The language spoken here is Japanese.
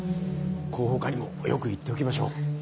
広報課にもよく言っておきましょう。